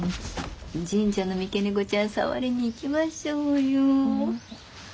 神社の三毛猫ちゃん触りに行きましょうよ。